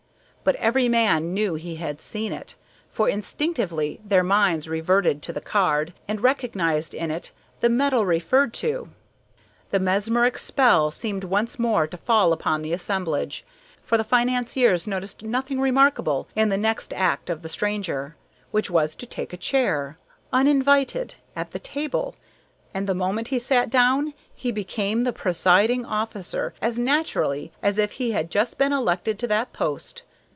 But every man knew he had seen it, for instinctively their minds reverted to the card and recognized in it the metal referred to. The mesmeric spell seemed once more to fall upon the assemblage, for the financiers noticed nothing remarkable in the next act of the stranger, which was to take a chair, uninvited, at the table, and the moment he sat down he became the presiding officer as naturally as if he had just been elected to that post.